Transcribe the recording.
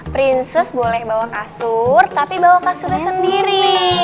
princess boleh bawa kasur tapi bawa kasurnya sendiri